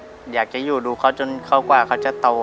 แล้วก็อยากจะอยู่ดูเขาจนเข้ากว่าเขาจะโตเลยครับ